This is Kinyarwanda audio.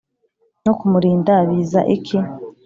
no kumurinda biza iki? "